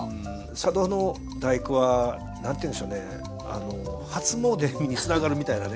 佐渡の「第九」は何ていうんでしょうね初詣につながるみたいなね。